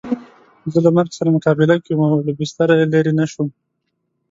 زه له مرګ سره مقابله کې وم او له بستره یې لرې نه شوم.